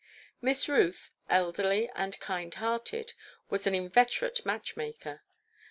Miss Ruth, elderly and kind hearted, was an inveterate matchmaker.